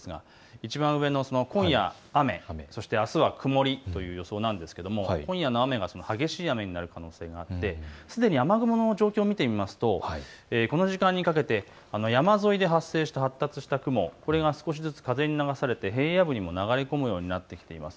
いちばん上の今夜雨、そしてあすは曇りという予想なんですけれども今夜の雨が激しい雨になる可能性があってすでに雨雲の状況を見てみますと、この時間にかけて山沿いで発生した発達した雲、これが少しずつ風に流されて平野部にも流れ込むようになってきています。